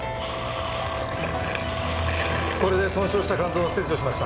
これで損傷した肝臓は切除しました。